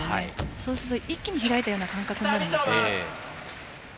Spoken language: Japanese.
そうすると一気に開いたような感覚になるんです。